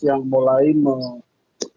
yang mulai mengembangkan